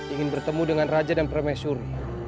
ingin bertemu dengan raja dan profesor